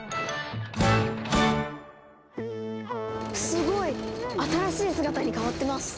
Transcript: すごい！新しい姿に変わってます。